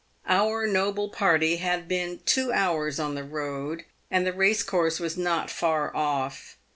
Our noble party had been two hours on the road, and the race course was not far off.